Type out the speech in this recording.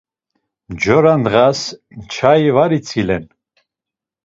Mjora ndğas nçai var itzilen.